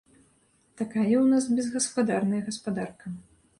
Такая ў нас безгаспадарная гаспадарка.